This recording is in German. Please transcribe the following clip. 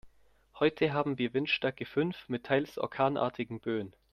Heute haben wir Windstärke fünf mit teils orkanartigen Böen.